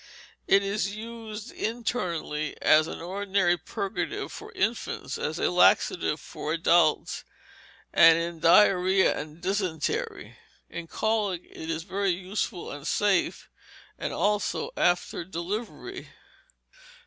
It is used internally as an ordinary purgative for infants, as a laxative for adults, and in diarrhoea and dysentery. In colic it is very useful and safe; and also after delivery.